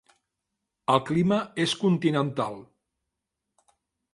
El clima és continental.